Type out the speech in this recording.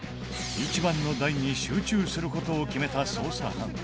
１番の台に集中する事を決めた捜査班。